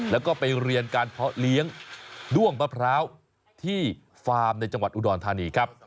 แล้วก็ไปเรียนการเพาะเลี้ยงด้วงมะพร้าวที่ฟาร์มในจังหวัดอุดรธานีครับ